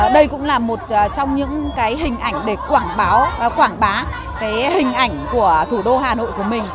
đây cũng là một trong những hình ảnh để quảng bá hình ảnh của thủ đô hà nội của mình